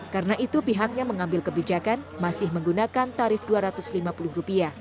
karena itu pihaknya mengambil kebijakan masih menggunakan tarif rp dua ratus lima puluh